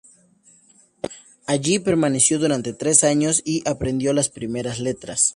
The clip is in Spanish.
Allí permaneció durante tres años y aprendió las primeras letras.